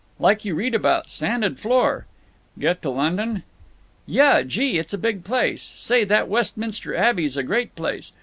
"—like you read about; sanded floor!" "Get to London?" "Yuh. Gee! it's a big place. Say, that Westminster Abbey's a great place.